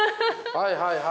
はいはいはい。